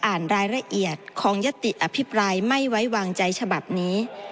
อ่านรายละเอียดของยติอภิปรายไม่ไว้วางใจฉบับนี้